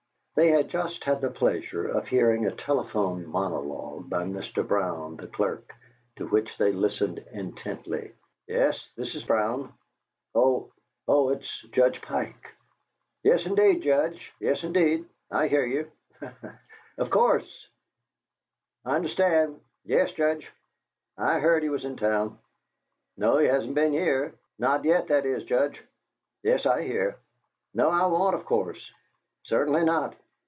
They had just had the pleasure of hearing a telephone monologue by Mr. Brown, the clerk, to which they listened intently: "Yes. This is Brown. Oh oh, it's Judge Pike? Yes indeed, Judge, yes indeed, I hear you ha, ha! Of course, I understand. Yes, Judge, I heard he was in town. No, he hasn't been here. Not yet, that is, Judge. Yes, I hear. No, I won't, of course. Certainly not.